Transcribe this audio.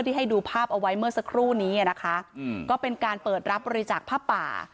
ให้ดูภาพเอาไว้เมื่อสักครู่นี้นะคะก็เป็นการเปิดรับบริจาคผ้าป่า